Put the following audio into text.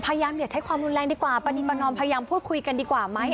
อย่าใช้ความรุนแรงดีกว่าปรณีประนอมพยายามพูดคุยกันดีกว่าไหม